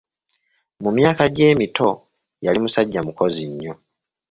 Mu myaka gye emito yali musajja mukozi nnyo.